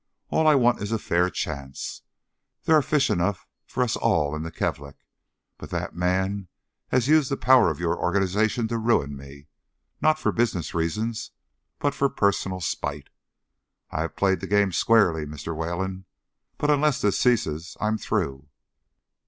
All I want is a fair chance. There are fish enough for us all in the Kalvik, but that man has used the power of your organization to ruin me not for business reasons, but for personal spite. I have played the game squarely, Mr. Wayland, but unless this ceases I'm through."